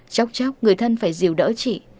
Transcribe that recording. chốc chốc người thân phải dìu đỡ chị